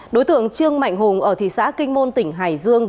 đối tượng trương mạnh hùng ở thị xã kinh môn tỉnh hải dương